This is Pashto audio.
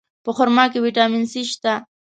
په خرما کې ویټامین C شته.